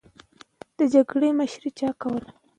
د جګړې مشري چا کوله؟